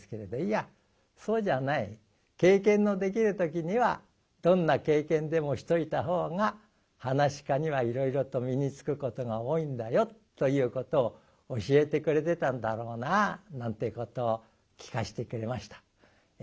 経験のできる時にはどんな経験でもしといた方が噺家にはいろいろと身につくことが多いんだよということを教えてくれてたんだろうななんてことを聞かせてくれました。